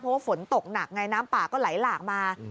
เพราะว่าฝนตกหนักไงน้ำป่าก็ไหลหลากมา